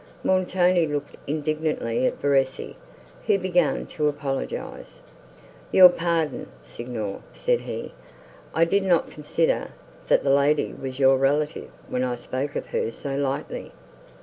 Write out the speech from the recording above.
Montoni looked indignantly at Verezzi, who began to apologise. "Your pardon, Signor," said he: "I did not consider, that the lady was your relative, when I spoke of her so lightly."